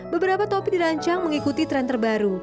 beberapa topik dirancang mengikuti tren terbaru